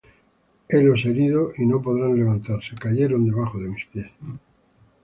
Helos herido, y no podrán levantarse: Cayeron debajo de mis pies.